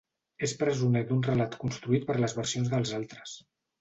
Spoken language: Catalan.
És presoner d'un relat construït per les versions dels altres.